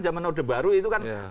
zaman orde baru itu kan